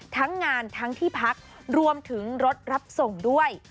ทั้งงานทั้งที่พักรวมถึงรถรับส่งด้วย